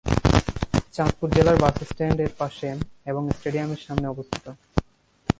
চাঁদপুর জেলার bus stand এর পাসে এবং স্টেডিয়াম সামনে অবস্থিত।